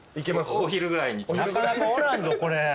お昼ぐらいに。